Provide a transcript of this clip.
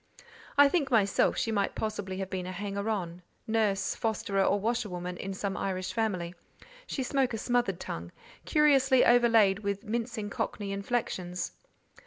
I think myself, she might possibly have been a hanger on, nurse, fosterer, or washerwoman, in some Irish family: she spoke a smothered tongue, curiously overlaid with mincing cockney inflections.